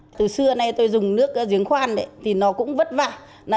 từ xưa nay tôi dùng nước giếng khoan thì nó cũng vất vả